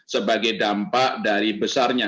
sebagai dampak dari besarnya